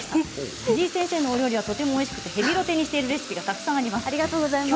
藤井先生のお料理はとてもおいしくてヘビロテにしているレシピがたくさんあります。